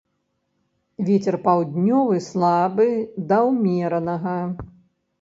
Вецер паўднёвы слабы да ўмеранага.